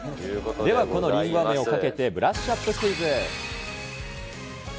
では、このりんごあめをかけて、ブラッシュアップクイズ。